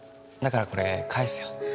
だからこれ返すよ。